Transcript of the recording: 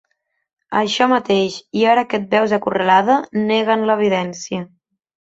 Això mateix, i ara que et veus acorralada nega'n l'evidència.